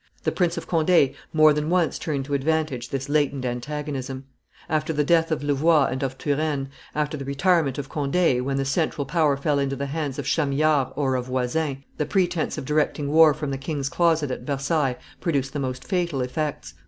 The Prince of Conde more than once turned to advantage this latent antagonism. After the death of Louvois and of Turenne, after the retirement of Conde, when the central power fell into the hands of Chamillard or of Voysin, the pretence of directing war from the king's closet at Versailles produced the most fatal effects.